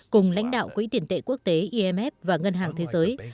cùng lãnh đạo quỹ tiền tệ quốc tế imf và ngân hàng thế giới